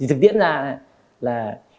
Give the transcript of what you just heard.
thực tiễn ra là